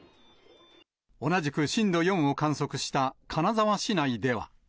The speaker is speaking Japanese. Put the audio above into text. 同じく震度４を観測した金沢市内では。